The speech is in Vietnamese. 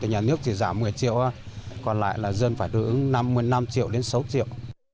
nhà nước chỉ giảm một mươi triệu còn lại là dân phải đối ứng năm mươi năm triệu đến sáu triệu